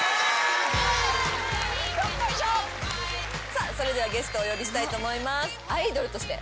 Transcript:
さあそれではゲストをお呼びしたいと思います。